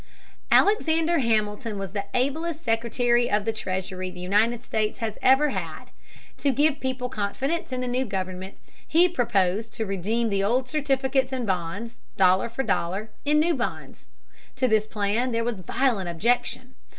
Alexander Hamilton was the ablest Secretary of the Treasury the United States has ever had. To give people confidence in the new government, he proposed to redeem the old certificates and bonds, dollar for dollar, in new bonds. To this plan there was violent objection.